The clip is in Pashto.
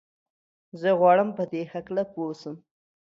زه غواړم په دي هکله پوه سم.